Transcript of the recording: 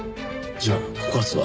じゃあ告発は。